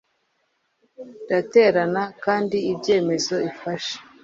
iraterana kandi ibyemezo ifashe